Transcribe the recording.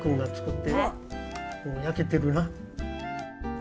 もう焼けてるな。